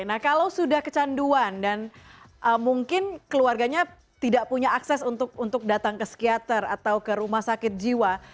nah kalau sudah kecanduan dan mungkin keluarganya tidak punya akses untuk datang ke psikiater atau ke rumah sakit jiwa